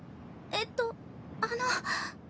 えっとあの。